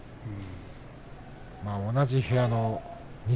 同じ部屋の錦